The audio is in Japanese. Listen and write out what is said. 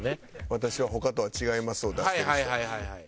「私は他とは違います」を出してる人。